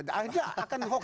akhirnya akan hoax